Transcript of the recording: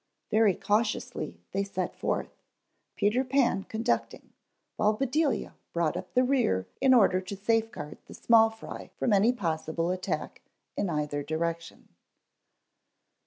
_ VERY cautiously they set forth, Peter Pan conducting, while Bedelia brought up the rear in order to safeguard the small fry from any possible attack in either direction.